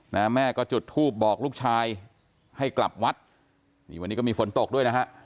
แม่ก็จุดทูบบอกลูกชายให้กลับวัดนี่วันนี้ก็มีฝนตกด้วยนะฮะ